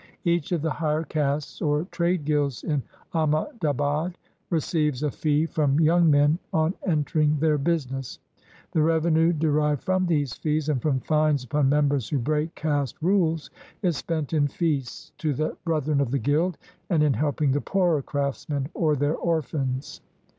Each of the higher castes or trade guilds in Ahmadabad receives a fee from young men on entering their business. The revenue de rived from these fees, and from fines upon members who break caste rules, is spent in feasts to the brethren of the guild, and in helping the poorer craftsmen or their orphans.